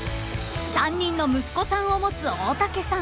［３人の息子さんを持つ大竹さん］